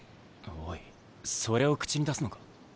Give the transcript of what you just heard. おいそれを口に出すのか？